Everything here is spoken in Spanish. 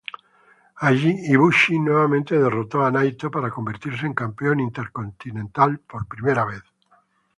Allí, Ibushi nuevamente derrotó a Naito para convertirse en Campeón Intercontinental por primera vez.